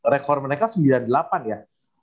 rekor mereka sembilan puluh delapan ya